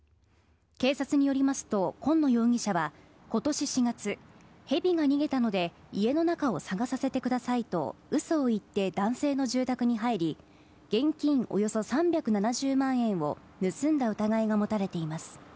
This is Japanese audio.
警察によりますと、今野容疑者は今年４月、蛇が逃げたので家の中を捜させてくださいと嘘を言って男性の住宅に入り現金およそ３７０万円を盗んだ疑いが持たれています。